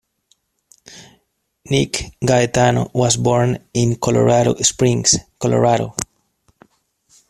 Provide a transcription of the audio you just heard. Nick Gaetano was born in Colorado Springs, Colorado.